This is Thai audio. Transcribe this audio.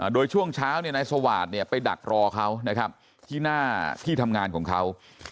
โดยช่วงเช้านายสวาสตร์ไปดักรอเขานะครับที่หน้าที่ทำงานของเขา